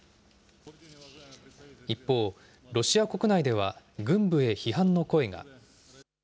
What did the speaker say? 一方、ロシア国内では軍部へ批判の声が。